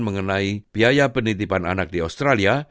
mengenai biaya penitipan anak di australia